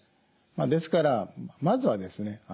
ですからまずはですね